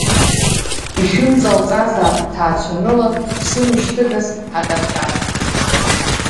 Ишәымҵалҵазаап ҭаацәаныла ԥсымышьҭыгас аҟьатҟьат.